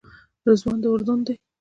رضوان د اردن دی.